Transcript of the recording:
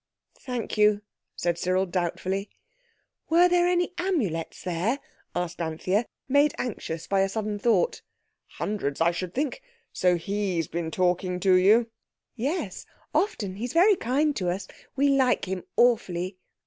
"Thank you," said Cyril doubtfully. "Were there any Amulets there?" asked Anthea, made anxious by a sudden thought. "Hundreds, I should think. So he's been talking to you?" "Yes, often. He's very kind to us. We like him awfully."